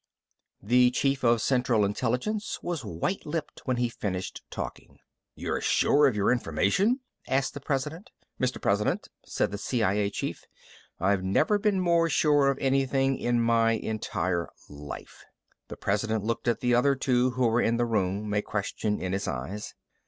IX The chief of Central Intelligence was white lipped when he finished talking. "You're sure of your information?" asked the President. "Mr. President," said the CIA chief, "I've never been more sure of anything in my entire life." The President looked at the other two who were in the room, a question in his eyes.